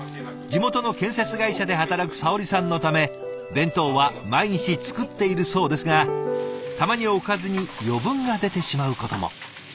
地元の建設会社で働くさおりさんのため弁当は毎日作っているそうですがたまにおかずに余分が出てしまうことも。